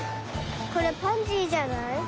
これパンジーじゃない？